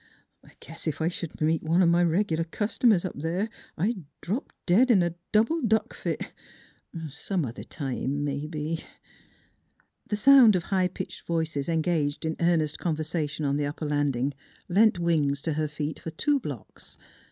" I guess ef I sh'd meet one o' m' reg'lar cust'mers up there I'd drop dead in a double duck fit. Some other time, mebbe." The sound of high pitched voices engaged in earnest conversation on the upper landing lent wings to her feet for two blocks.